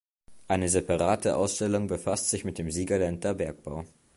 Eine separate Ausstellung befasst sich mit dem Siegerländer Bergbau.